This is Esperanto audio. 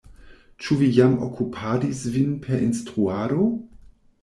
Ĉu vi jam okupadis vin per instruado?